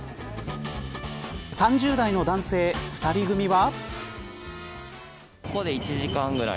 ３０代の男性２人組は。